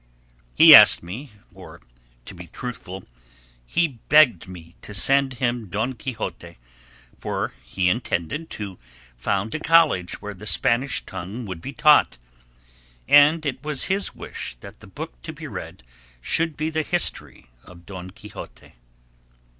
He asked me, or to be truthful, he begged me to send him Don Quixote, for he intended to found a college where the Spanish tongue would be taught, and it was his wish that the book to be read should be the History of Don Quixote.